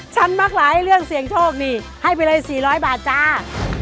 มักหลายเรื่องเสี่ยงโชคนี่ให้ไปเลย๔๐๐บาทจ้า